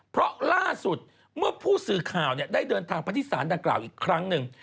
เพราะล่าสุดเมื่อผู้สื่อข่าวเนี่ยได้เดินทางพฤติศาสน์ดังกล่าวอีกครั้งนึง